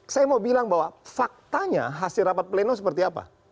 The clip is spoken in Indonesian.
saya mau bilang bahwa faktanya hasil rapat pleno seperti apa